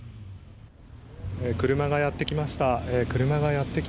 車がやってきました。